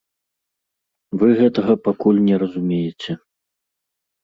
Вы гэтага пакуль не разумееце.